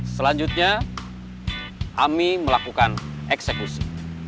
selanjutnya ami melakukan eksekusi